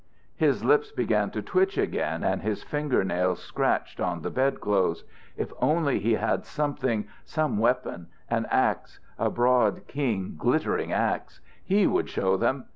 His lips began to twitch again and his finger nails scratched on the bedclothes. If only he had something, some weapon, an axe, a broad, keen, glittering axe! He would show them!